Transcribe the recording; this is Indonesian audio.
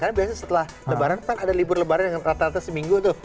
karena biasanya setelah lebaran kan ada libur lebaran yang rata rata seminggu tuh